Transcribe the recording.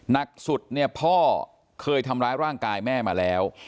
หนักสุดเนี่ยพ่อเคยทำร้ายร่างกายแม่มาแล้ว